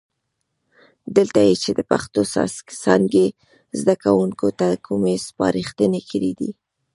دلته یې چې د پښتو څانګې زده کوونکو ته کومې سپارښتنې کړي دي،